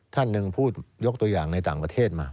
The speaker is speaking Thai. ท่านหนึ่งพูดยกตัวอย่างในต่างประเทศมา